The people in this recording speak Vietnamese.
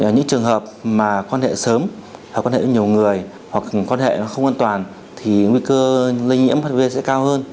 những trường hợp mà quan hệ sớm hoặc quan hệ với nhiều người hoặc quan hệ không an toàn thì nguy cơ lây nhiễm hiv sẽ cao hơn